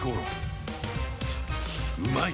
うまい！